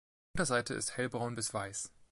Die Unterseite ist hellbraun bis weiß.